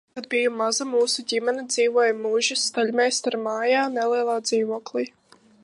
Kad biju maza, mūsu ģimene dzīvoja muižas staļļmeistara mājā, nelielā dzīvoklī.